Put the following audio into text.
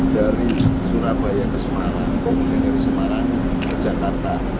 dari surabaya ke semarang ke jakarta